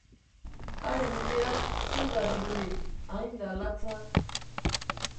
Haren ileak zurda dirudi, hain da latza.